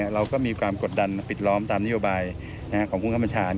เราก็มีการกดดันปิดล้อมตามนิวบายของคุณคมชา